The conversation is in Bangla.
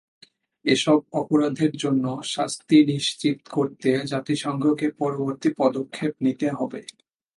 এসব অপরাধের জন্য শাস্তি নিশ্চিত করতে জাতিসংঘকে পরবর্তী পদক্ষেপ নিতে হবে।